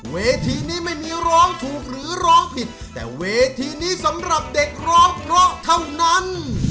เวทีนี้ไม่มีร้องถูกหรือร้องผิดแต่เวทีนี้สำหรับเด็กร้องเพราะเท่านั้น